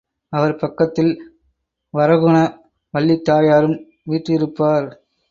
அவர் பக்கத்தில் வரகுண வல்லித்தாயாரும் வீற்றிருப்பார்.